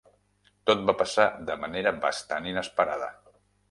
Tot va passar de manera bastant inesperada.